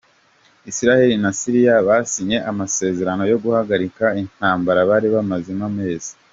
Israel na Syrie basinye amasezerano yo guhagarika intambara bari bamazemo amezi .